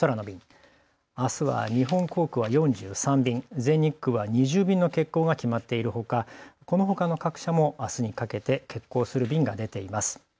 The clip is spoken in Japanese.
空の便、あすは日本航空は４３便、全日空は２０便の欠航が決まっているほか、このほかの各社もあすにかけて欠航する便が出ています。